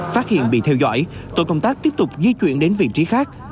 phát hiện bị theo dõi tổ công tác tiếp tục di chuyển đến vị trí khác